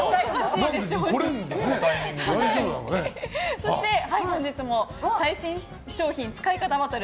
そして本日の最新商品使い方バトル！